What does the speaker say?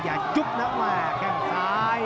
อย่ายุบนะว่าแข้งซ้าย